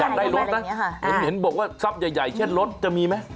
อยากได้รถเห็นบอกว่าทรัพย์ใหญ่แค่รถจะมีไหม